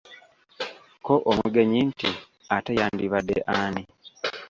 Ko Omugenyi nti Ate yandibadde ani?